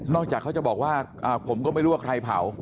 จากเขาจะบอกว่าผมก็ไม่รู้ว่าใครเผา